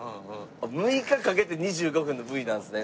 ６日かけて２５分のＶなんですね。